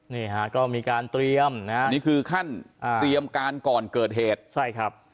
นี่ฮะก็มีการเตรียมนะฮะนี่คือขั้นเตรียมการก่อนเกิดเหตุใช่ครับ